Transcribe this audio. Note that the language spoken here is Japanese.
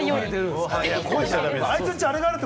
あいつん家、あれがあるって。